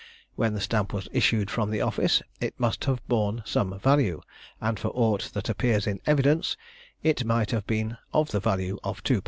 When the stamp was issued from the office it must have borne some value, and for aught that appears in evidence, it might have been of the value of 2_l.